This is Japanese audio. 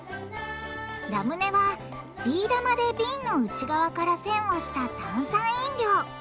ラムネはビー玉で瓶の内側からせんをした炭酸飲料。